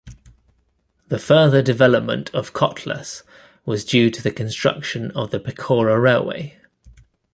The further development of Kotlas was due to the construction of the Pechora Railway.